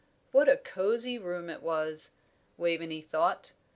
What a cosy room it was! Waveney thought.